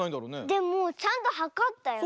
でもちゃんとはかったよ。